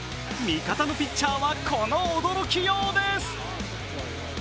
味方のピッチャーはこの驚きようです。